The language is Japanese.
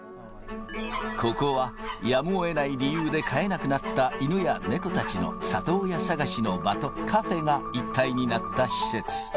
ここは、やむをえない理由で飼えなくなった犬や猫たちの里親探しの場とカフェが一体になった施設。